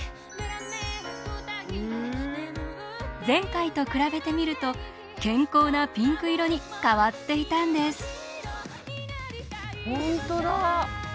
前回と比べてみると健康なピンク色に変わっていたんです。